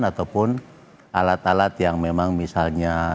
ataupun alat alat yang memang misalnya